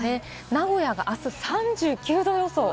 名古屋があす３９℃予想。